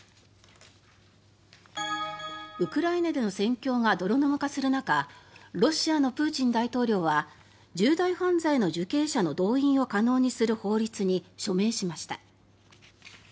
ウクライナでの戦況が泥沼化する中ロシアのプーチン大統領は重大犯罪の受刑者の動員を可能にする法律に署名しました。